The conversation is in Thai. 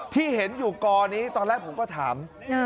ที่เห็นอยู่กอนี้ตอนแรกผมก็ถาม